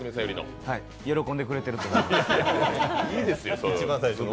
喜んでくれてると思います。